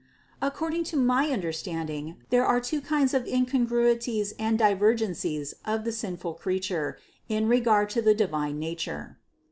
Accord ing to my understanding there are two kind of incon gruities and divergencies of the sinful creature in regard to the divine nature.